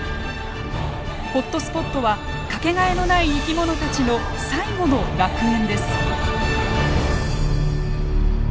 ホットスポットは掛けがえのない生き物たちの最後の楽園です。